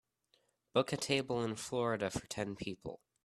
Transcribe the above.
book a table in Florida for ten people